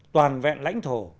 toàn vẹn lãnh thổ